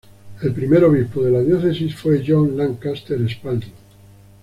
El primer obispo de la diócesis fue John Lancaster Spalding.